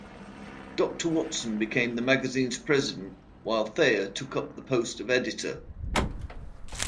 Doctor Watson became the magazine's president while Thayer took up the post of editor.